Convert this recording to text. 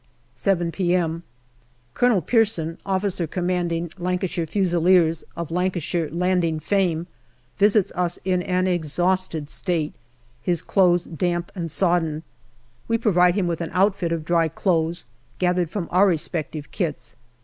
7 p.m. Colonel Pearson, O.C. Lancashire Fusiliers, of Lanca shire Landing fame, visits us in an exhausted state, his ^ clothes damp and sodden. We provide him with an outfit of dry clothes, gathered from our respective kits.